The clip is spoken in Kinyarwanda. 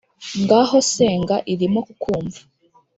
ngaho senga irimo kukumva